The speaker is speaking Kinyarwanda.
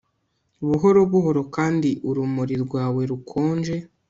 Buhoro buhoro kandi urumuri rwawe rukonje